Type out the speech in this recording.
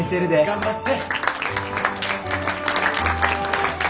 頑張って！